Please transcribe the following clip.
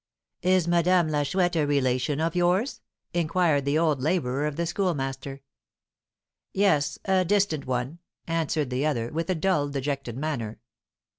"Is Madame la Chouette a relation of yours?" inquired the old labourer of the Schoolmaster. "Yes, a distant one," answered the other, with a dull, dejected manner.